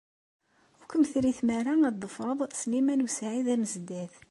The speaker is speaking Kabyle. Ur kem-terri tmara ad tḍefreḍ Sliman u Saɛid Amezdat.